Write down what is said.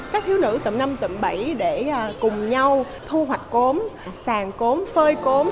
các thiếu nữ tầm năm tầm bảy để cùng nhau thu hoạch cốm sàn cốm phơi cốm